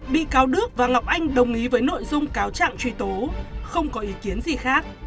bị cáo đức và ngọc anh đồng ý với nội dung cáo trạng truy tố không có ý kiến gì khác